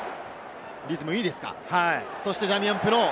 そしてダミアン・プノー。